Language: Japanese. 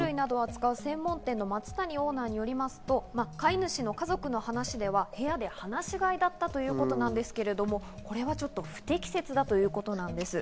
松谷オーナーによりますと飼い主の家族の話では部屋で放し飼いだったということなんですけれども、これはちょっと不適切だということなんです。